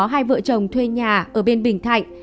hai vợ chồng thuê nhà ở bên bình thạnh